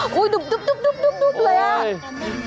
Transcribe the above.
ตุ๊บเลยอ่ะ